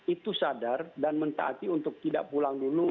itu sadar dan mentaati untuk tidak pulang dulu